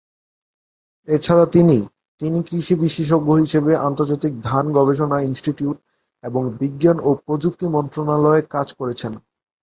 এছাড়া তিনি তিনি কৃষি বিশেষজ্ঞ হিসেবে আন্তর্জাতিক ধান গবেষণা ইনস্টিটিউট এবং বিজ্ঞান ও প্রযুক্তি মন্ত্রণালয়ে কাজ করেছেন।